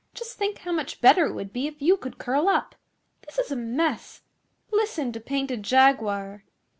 'Just think how much better it would be if you could curl up. This is a mess! Listen to Painted Jaguar.